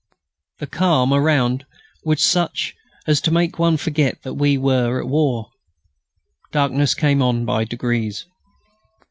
The calm around was such as to make one forget that we were at war. Darkness came on by degrees.